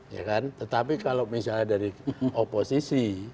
ya kan tetapi kalau misalnya dari oposisi